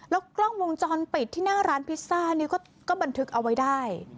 กล้องวงจรปิดที่หน้าร้านพิซซ่านี่ก็บันทึกเอาไว้ได้